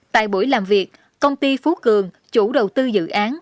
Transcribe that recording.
tại buổi làm việc công ty phú cường chủ đầu tư dự án